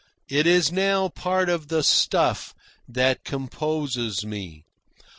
It is now part of the stuff that composes me.